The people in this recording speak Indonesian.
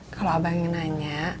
kalau abang yang nanya